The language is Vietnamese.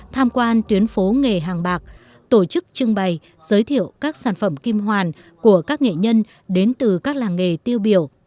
tham quan tuyến phố nghề hàng bạc tổ chức trưng bày giới thiệu các sản phẩm kim hoàn của các nghệ nhân đến từ các làng nghề tiêu biểu